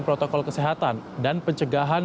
protokol kesehatan dan pencegahan